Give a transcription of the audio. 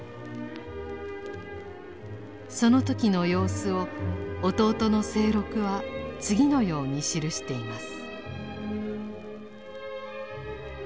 その時の様子を弟の清六は次のように記しています。